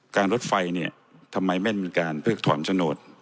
รถไฟเนี่ยทำไมไม่มีการเพิกถอนโฉนด